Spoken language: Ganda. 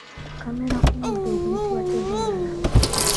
Kamera ku muddo oguyitibwa tebuyala.